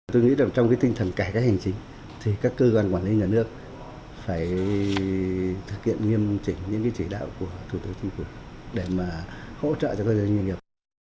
tôi nghĩ trong cái tinh thần cải các hành trình thì các cơ quan quản lý nhà nước phải thực hiện nghiêm trình những chỉ đạo của thủ tướng chính phủ để mà hỗ trợ cho cơ quan doanh nghiệp